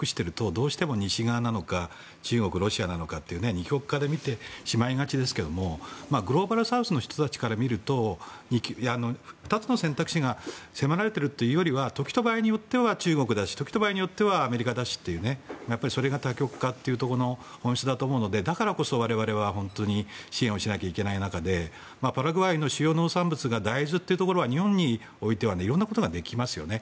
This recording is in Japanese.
どうしても西側なのか中国・ロシアなのかという二極化で見てしまいがちですがグローバルサウスの人たちから見ると２つの選択肢が迫られているというよりは時と場合によっては中国だしそして、アメリカだしというそれが多極化というところの本質だと思うのでだからこそ我々は支援をしないといけない中でパラグアイの主要農産物が大豆というところは日本においてはいろんなことができますよね。